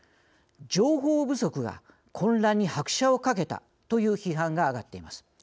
情報不足が混乱に拍車をかけたという批判が上がっています。